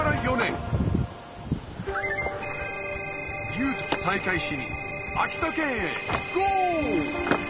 ＹＯＵと再会しに秋田県へゴー！